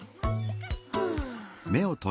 ふう。